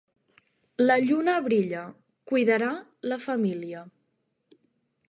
La lluna brilla, cuidarà la família.